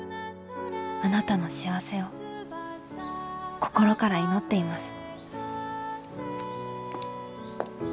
あなたの幸せを心から祈っています」。